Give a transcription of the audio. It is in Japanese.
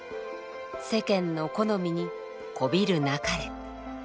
世間の好みに媚びるなかれ」。